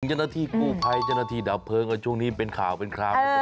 จนที่กู้ไภจนที่ดับเพลิงและช่วงนี้เป็นข่าวเป็นคราว